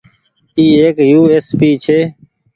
اي ايڪ يو ايس پي ڇي۔